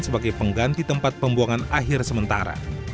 sebagai pengganti tempat pembuangan akhir sementara